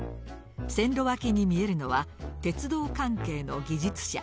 線路脇に見えるのは鉄道関係の技術者。